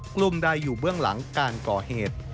กลุ่มใดอยู่เบื้องหลังการก่อเหตุ